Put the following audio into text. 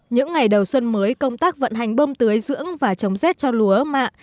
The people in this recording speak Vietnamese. những ngày đầu xuân mới công tác vận hành bơm tưới dưỡng và chống rét cho lúa mạng